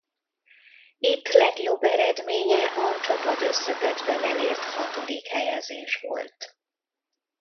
Itt legjobb eredménye a csapat összetettben elért hatodik helyezés volt.